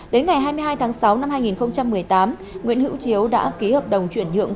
đến ngày hai mươi hai tháng sáu năm hai nghìn một mươi tám nguyễn hữu chiếu đã ký hợp đồng chuyển nhượng